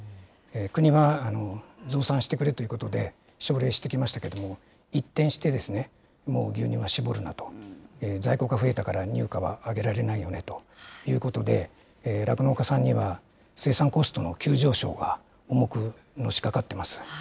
国は、増産してくれということで、奨励してきましたけれども、一転して、もう牛乳は搾るなと、在庫が増えたから乳価は上げられないよねということで、酪農家さんには、生産コストの急上昇が重くのしかかってます。